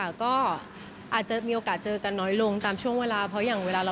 แล้วก็เฟสไทม์คุยกันไลน์คุยกันตลอดค่ะ